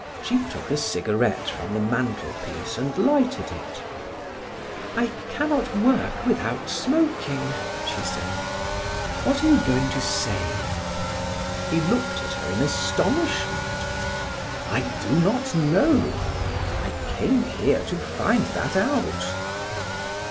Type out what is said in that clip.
She took a cigarette from the mantelpiece and lighted it. "I cannot work without smoking," she said; "what are you going to say?" He looked at her in astonishment. "I do not know; I came here to find that out."